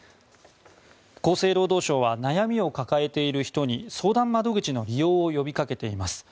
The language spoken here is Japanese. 厚生労働省は悩みを抱えている人に相談窓口の利用を呼びかけています。